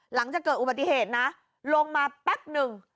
หลังจากเกิดอุบัติเหตุนะลงมาแป๊บหนึ่ง